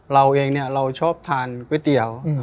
เราเองเนี่ยเราชอบทานก๋วยเตี๋ยว